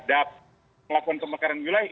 dapat melakukan pemekaran wilayah